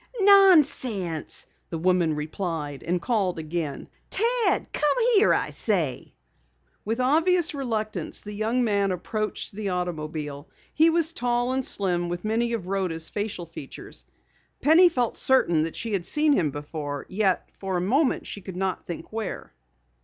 "Nonsense!" the woman replied, and called again. "Ted! Come here, I say!" With obvious reluctance, the young man approached the automobile. He was tall and slim with many of Rhoda's facial features. Penny felt certain that she had seen him before, yet for a minute she could not think where.